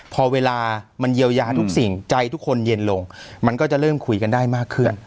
พอเวลามันเยียวยาทุกสิ่งใจทุกคนเย็นลงมันก็จะเริ่มคุยกันได้มากขึ้น